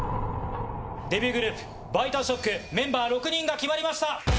デビューグループＢｉＴＥＡＳＨＯＣＫメンバー６人が決まりました！